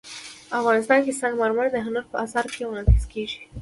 افغانستان کې سنگ مرمر د هنر په اثار کې منعکس کېږي.